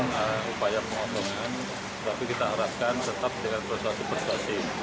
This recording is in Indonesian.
tapi kita harapkan tetap dengan persuasi persuasi